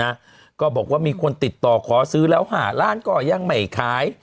นะก็บอกว่ามีคนติดต่อขอซื้อแล้วห้าล้านก็ยังไม่ขาย